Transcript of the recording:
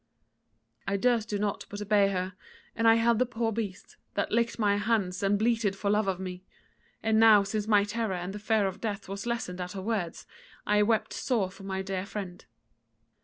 "I durst do naught but obey her, and I held the poor beast, that licked my hands and bleated for love of me: and now since my terror and the fear of death was lessened at her words, I wept sore for my dear friend.